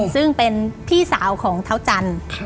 ซึ่งเป็นพี่สาวของเท้าจันทร์